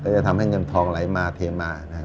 จะทำให้เงินทองไหลมาเทมานะครับ